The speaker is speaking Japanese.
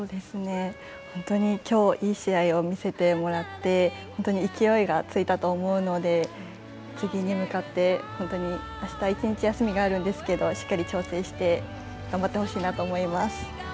本当にきょういい試合を見せてもらって本当に勢いがついたと思うので次に向かって本当にあした１日休みがあるんですけどしっかり調整して頑張ってほしいなと思います。